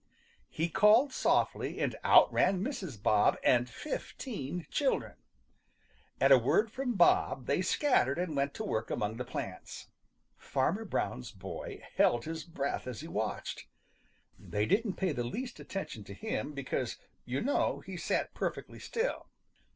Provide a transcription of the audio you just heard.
He called softly and out ran Mrs. Bob and fifteen children! At a word from Bob they scattered and went to work among the plants. Farmer Brown's boy held his breath as he watched. They didn't pay the least attention to him because, you know, he sat perfectly still.